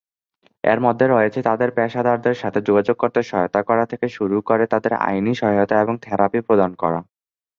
এর মধ্যে রয়েছে তাদের পেশাদারদের সাথে যোগাযোগ করতে সহায়তা করা থেকে শুরু করে তাদের আইনি সহায়তা এবং থেরাপি প্রদান করা।